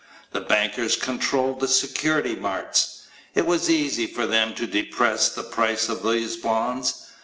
The bankers control the security marts. It was easy for them to depress the price of these bonds.